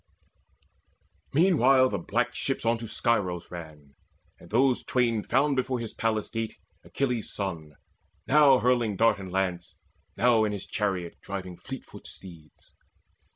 Meanwhile the black ship on to Scyros ran; And those twain found before his palace gate Achilles' son, now hurling dart and lance, Now in his chariot driving fleetfoot steeds.